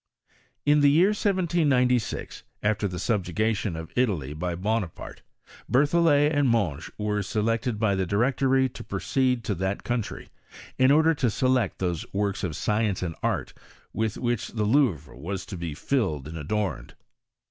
In the year 1796, after the subjugation of Italy by Bonaparte, Berthollet and Monge were selected by the Directory to proceed to that country, in order to select those works of science and art with whick the Louvre was to be filled 'and adorned.